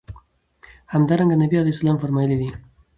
همدرانګه نبي عليه السلام فرمايلي دي